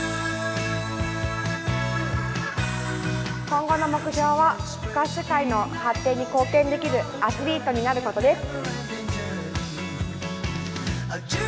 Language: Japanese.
今後の目標は、スカッシュ界の発展に貢献できるアスリートになることです。